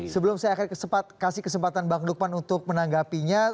sebelum saya akan kasih kesempatan bang lukman untuk menanggapinya